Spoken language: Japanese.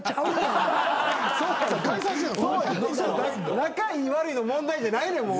仲いい悪いの問題じゃないねんもう。